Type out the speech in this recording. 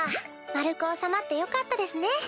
丸く収まってよかったですね。